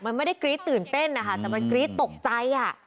มันไม่ได้กรี๊ดตื่นเต้นนะคะแต่มันกรี๊ดตกใจ